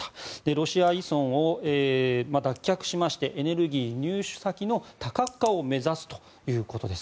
ロシア依存から脱却しましてエネルギー入手先の多角化を目指すということです。